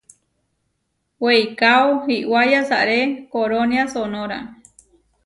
Weikáo iʼwá yasaré korónia Sonóra.